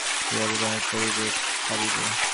বিহারী কহিল, না, বোধ হয় সহ্য করিতে পারিব।